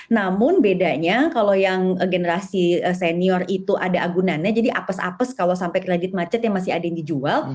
namun bedanya kalau yang generasi senior itu ada agunannya jadi apes apes kalau sampai kredit macet yang masih ada yang dijual